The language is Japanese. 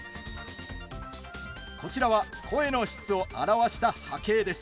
こちらは声の質を表した波形です。